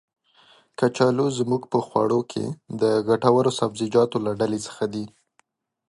کچالو زمونږ په خواړو کې د ګټور سبزيجاتو له ډلې څخه دی.